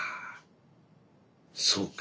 そうか。